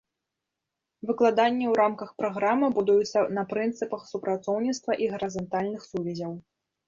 Выкладанне ў рамках праграмы будуецца на прынцыпах супрацоўніцтва і гарызантальных сувязяў.